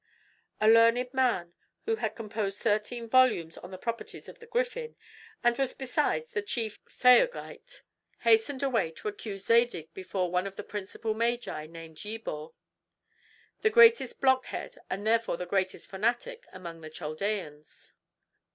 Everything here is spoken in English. A learned man who had composed thirteen volumes on the properties of the griffin, and was besides the chief theurgite, hastened away to accuse Zadig before one of the principal magi, named Yebor, the greatest blockhead and therefore the greatest fanatic among the Chaldeans.